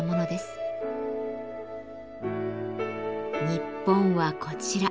日本はこちら。